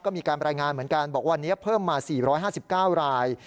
ก็มีการรายงานเหมือนกันบอกวันนี้เพิ่มมา๔๕๙ราย